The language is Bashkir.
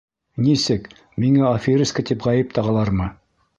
Нисек, миңә аферистка тип ғәйеп тағалармы?